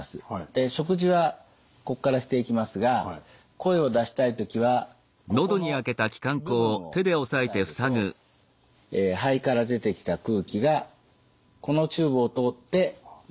で食事はここからしていきますが声を出したい時はここの部分を押さえると肺から出てきた空気がこのチューブを通って喉に回ります。